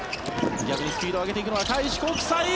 逆にスピードを上げていくのは開志国際！